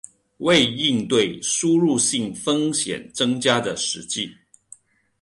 为应对输入性风险增加的实际